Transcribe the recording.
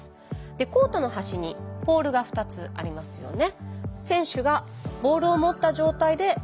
でコートの端にポールが２つありますよね。